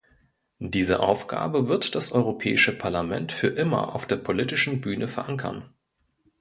Diese Aufgabe wird das Europäische Parlament für immer auf der politischen Bühne verankern.